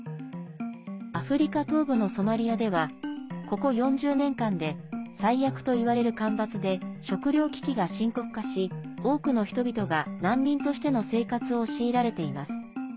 アフリカ東部のソマリアではここ４０年間で最悪といわれる干ばつで食糧危機が深刻化し多くの人々が難民としての生活を強いられています。